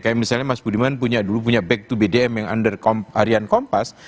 kayak misalnya mas budiman dulu punya back to bdm yang under harian kompas